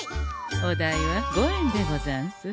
お代は５円でござんす。